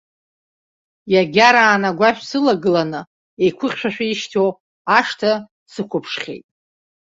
Иагараан агәашә сылагыланы еиқәыхьшәашәа ишьҭоу ашҭа сықәыԥшхьеит.